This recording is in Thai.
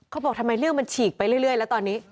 เขาบอกทำไมเรื่องมันฉีกไปเรื่อยแล้วตอนนี้